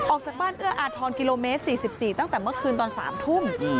ออกจากบ้านเอื้ออาทรกิโลเมตร๔๔ตั้งแต่เมื่อคืนตอน๓ทุ่ม